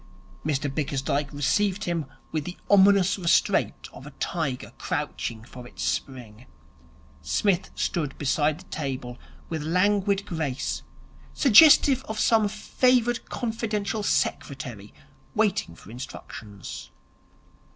Mr Bickersdyke received him with the ominous restraint of a tiger crouching for its spring. Psmith stood beside the table with languid grace, suggestive of some favoured confidential secretary waiting for instructions.